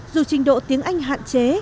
dù trình độ tiếng anh hạn chế